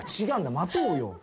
違うんだよ。